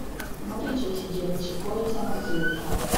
muri icyo kigero kigoye cy amabyiruka